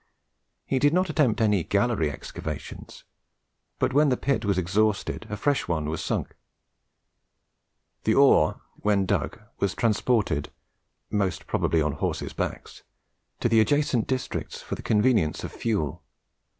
He did not attempt any gallery excavations, but when the pit was exhausted, a fresh one was sunk. The ore, when dug, was transported, most probably on horses' backs, to the adjacent districts for the convenience of fuel.